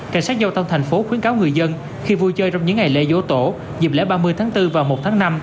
cảnh sát giao thông thành phố khuyến cáo người dân khi vui chơi trong những ngày lễ dỗ tổ dịp lễ ba mươi tháng bốn và một tháng năm